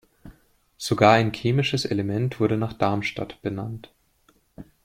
Sogar ein chemisches Element wurde nach Darmstadt benannt.